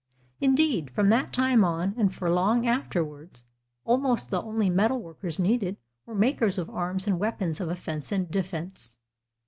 Indeed, from that time on and for long afterwards, almost the only metalworkers needed were makers of arms and weapons of offense and defense.